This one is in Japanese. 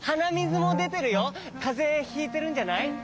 かぜひいてるんじゃない？